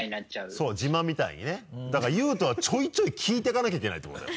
そう自慢みたいにねだから悠人はちょいちょい聞いていかなきゃいけないってことだよ。